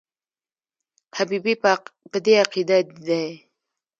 حبیبي په دې عقیده دی.